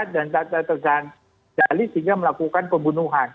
dan tak tergali sehingga melakukan pembunuhan